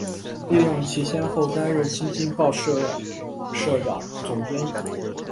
利用其先后担任新京报社社长、总编辑